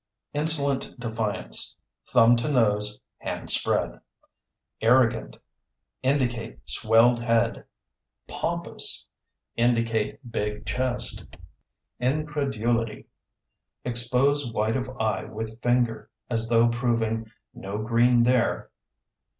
Insolent defiance (Thumb to nose, hand spread). Arrogant (Indicate swelled head). Pompous (Indicate big chest). Incredulity (Expose white of eye with finger, as though proving "No green there").